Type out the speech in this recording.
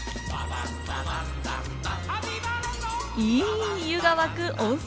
いい湯が湧く温泉